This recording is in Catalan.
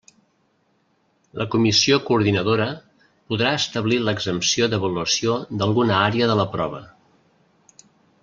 La Comissió Coordinadora podrà establir l'exempció d'avaluació d'alguna àrea de la prova.